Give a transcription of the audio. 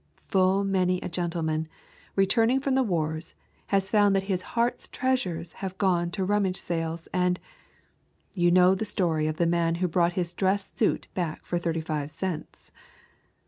Full many a gentleman, returning from the wars, has found that his heart's treasures have gone to rummage sales, and you know the story of the man who bought his dress suit back for thirty five cents.